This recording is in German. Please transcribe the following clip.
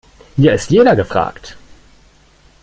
Hier ist jeder gefragt.